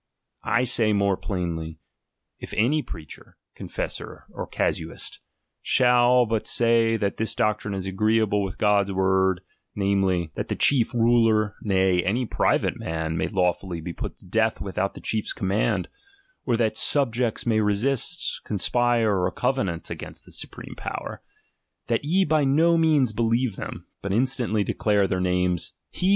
I say more plainly, if any preacher, confessor, or casuist, shall but say that this doctrine is agreeable with God's word, namely, XXU THE PREFACE that the chief ruler, uay, any private man may law fully be put to death without the chief's command, or that subjects may resist, conspire, or covenant against the supreme power ; that ye by no means believe them, but instantly declare thetr names.